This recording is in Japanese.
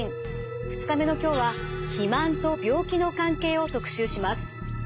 ２日目の今日は肥満と病気の関係を特集します。